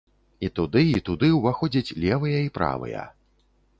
І туды, і туды ўваходзяць левыя і правыя.